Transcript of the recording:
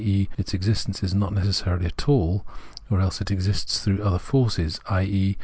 e. its existence is not necessary at all, or else it exists through other forces, i.e.